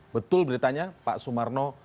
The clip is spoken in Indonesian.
betul beritanya pak sumarno